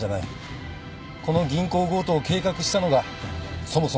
この銀行強盗を計画したのがそもそも佐伯なんだよ。